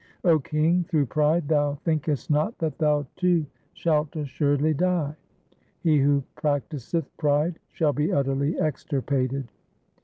O king, through pride thou thinkest not that thou too shalt assuredly die. He who practiseth pride shall be utterly extirpated.'